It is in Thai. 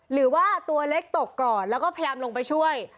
หรือว่าตัวเล็กตกก่อนแล้วก็พยายามลงไปช่วย